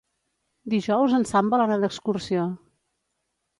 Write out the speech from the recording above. Dijous en Sam vol anar d'excursió.